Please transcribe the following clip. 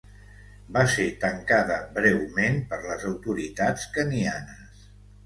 Va ser tancada breument per les autoritats kenyanes.